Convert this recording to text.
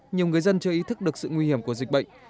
nhiều người dân chưa ý thức được sự nguy hiểm của dịch bệnh